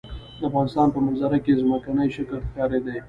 د افغانستان په منظره کې ځمکنی شکل ښکاره دی.